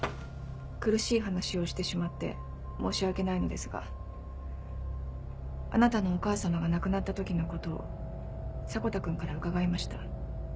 苦しい話をしてしまって申し訳ないのですがあなたのお母さまが亡くなった時のことを迫田君から伺いました。